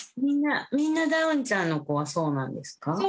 みんなみんなダウンちゃんの子はそうなんですか？